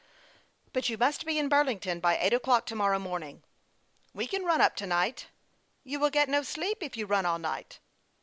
" But you must be in Burlington by eight o'clock to morrow morning." " We can run up to night." " You will get no sleep if you run all night."